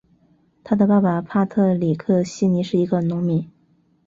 他的爸爸帕特里克希尼是一个农民。